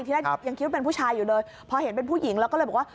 แรกยังคิดว่าเป็นผู้ชายอยู่เลยพอเห็นเป็นผู้หญิงแล้วก็เลยบอกว่า